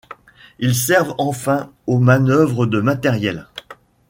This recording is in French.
Ils servent enfin aux manœuvres de matériel.